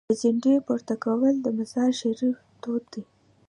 د جنډې پورته کول د مزار شریف دود دی.